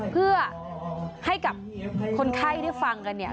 เพื่อให้กับคนไข้ได้ฟังกันเนี่ย